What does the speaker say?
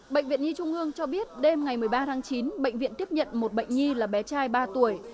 bệnh viện nhi trung ương cho biết đêm ngày một mươi ba tháng chín bệnh viện tiếp nhận một bệnh nhi là bé trai ba tuổi